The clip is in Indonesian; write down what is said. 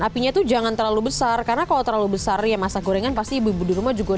apinya tuh jangan terlalu besar karena kalau terlalu besar ya masak gorengan pasti ibu di rumah juga